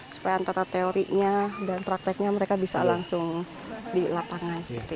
supaya antara teorinya dan prakteknya mereka bisa langsung dilapangkan